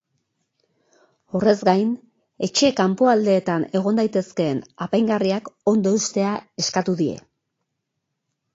Horrez gain, etxe-kanpoaldeetan egon daitezkeen apaingarriak ondo eustea eskatu die.